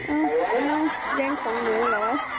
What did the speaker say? อ้าวย่งของหนูเหรอ